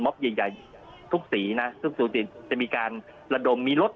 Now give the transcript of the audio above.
ใหญ่ใหญ่ทุกสีนะทุกสูสีจะมีการระดมมีรถ